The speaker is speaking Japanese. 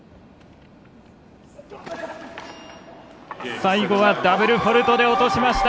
最後はダブルフォールトで落としました。